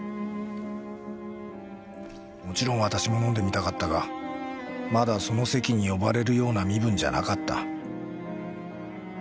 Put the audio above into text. もちろん私も飲んでみたかったがまだその席に呼ばれるような身分じゃなかった。